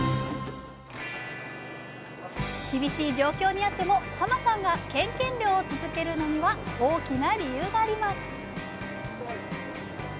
厳しい状況にあってもさんがケンケン漁を続けるのには大きな理由があります。